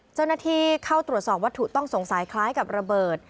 เจ้าหน้าที่เข้าตรวจสอบวัตถุต้องสงสัยคล้ายกับระเบิด